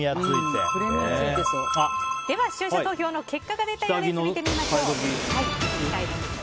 では、視聴者投票の結果が出たようです。